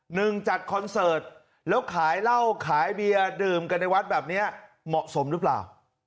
หนึ่งจัดคอนเสิร์ตแล้วขายเหล้าขายเบียร์ดื่มกันในวัดแบบนี้เหมาะสมหรือเปล่า